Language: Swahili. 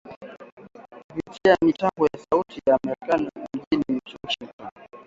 kupitia mitambo ya Sauti ya Amerika mjini Washington